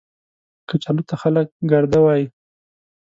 کچالو ته خلک ګرده وايي